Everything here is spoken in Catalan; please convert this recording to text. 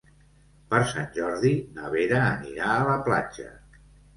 Per Sant Jordi na Vera anirà a la platja.